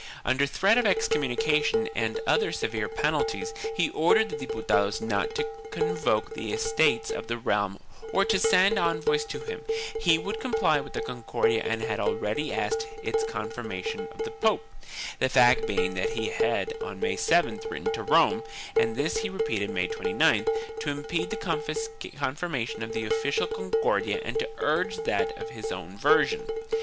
Under threat of excom munication and other severe penalties he ordered the Diputados not to convoke the Estates of the realm or to send envoys to him; he would comply with the Concordia and had already asked its confirmation of the pope — the fact being that he had on May 7th written to Rome — and this he repeated May 29th — to impede the confirmation of the official Concordia and to urge that of his own version.